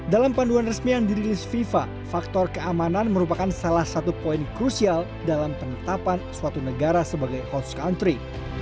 dalam panduan resmi yang dirilis fifa faktor keamanan merupakan salah satu poin krusial dalam penetapan suatu negara sebagai host country